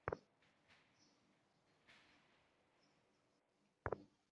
এই চরিত্রের আসল নাম ক্লার্ক কেন্ট।